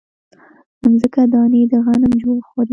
مځکه دانې د غنم خوري